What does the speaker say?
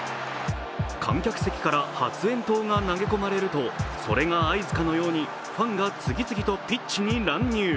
観客席から発炎筒が投げ込まれるとそれが合図かのようにファンが次々とピッチに乱入。